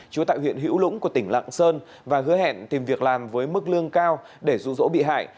chú tại huyện hữu lũng của tỉnh lạng sơn và hứa hẹn tìm việc làm với mức lương cao để rụ rỗ bị hại